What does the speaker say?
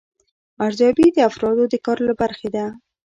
ارزیابي د افرادو د کار له برخې ده.